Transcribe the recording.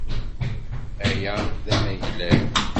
Aya d amaglay.